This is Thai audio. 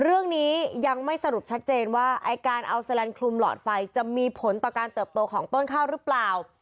เรื่องนี้ยังไม่สรุปชัดเจนว่าไอ้การเอาแลนดคลุมหลอดไฟจะมีผลต่อการเติบโตของต้นข้าวหรือเปล่า